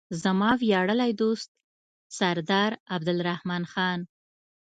زما ویاړلی دوست سردار عبدالرحمن خان.